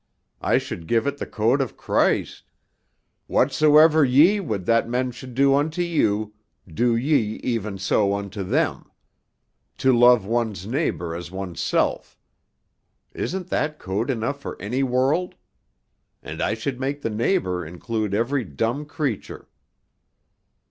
I should give it the code of Christ, 'Whatsoever ye would that men should do unto you, do ye even so unto them.' To love one's neighbor as oneself, isn't that code enough for any world? And I should make the neighbor include every dumb creature."